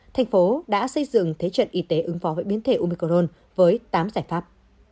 tp hcm đã xây dựng thế trận y tế ứng phó với biến thể omicron với tám giải pháp